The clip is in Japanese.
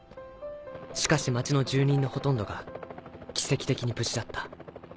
しかし町の住人のほとんどが奇跡的に無事だった。